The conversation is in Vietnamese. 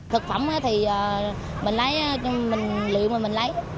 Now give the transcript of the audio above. thực phẩm thì mình lấy mình lựa mà mình lấy